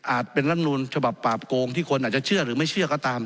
เป็นรัฐมนูลฉบับปราบโกงที่คนอาจจะเชื่อหรือไม่เชื่อก็ตาม